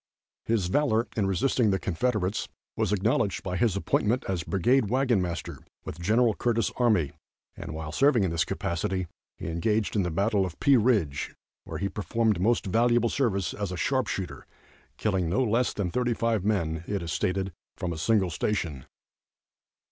His valor in resisting the Confederates was acknowledged by his appointment as Brigade Wagon Master with Gen. Curtis' army, and, while serving in this capacity, he engaged in the battle of Pea Ridge, where he performed most valuable service as a sharp shooter, killing no less than thirty five men, it is stated, from a single station.